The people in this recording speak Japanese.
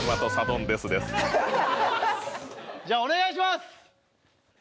じゃあお願いします！